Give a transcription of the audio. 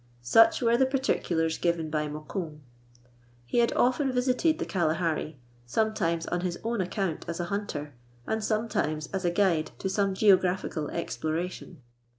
Such were the particulars given by Mokoum. He had often visited the Kalahari, sometimes on his own account as a hunter, and sometimes as a guide to some geographical exploration.